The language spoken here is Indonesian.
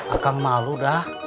akang malu dah